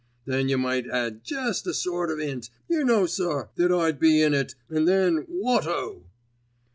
Then you might add jest a sort of 'int, yer know, sir, that I'd be in it an' then, wot o!"